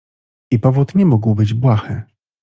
"I powód nie mógł być błahy."